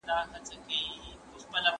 هغه د اصفهان دروازې پرانیستې.